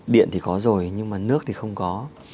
điện thì có rồi nhưng mà nước thì không có